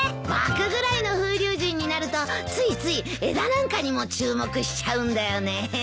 僕ぐらいの風流人になるとついつい枝なんかにも注目しちゃうんだよね。